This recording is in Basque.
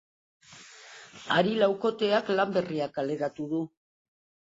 Hari-laukoteak lan berria kaleratu du.